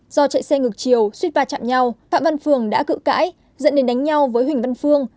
do chạy xe ngược chiều suýt pha chạm nhau phạm văn phương đã cự cãi dẫn đến đánh nhau với huỳnh văn phương